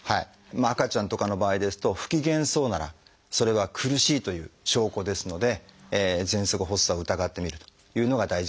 赤ちゃんとかの場合ですと不機嫌そうならそれは苦しいという証拠ですのでぜんそく発作を疑ってみるというのが大事かなと思います。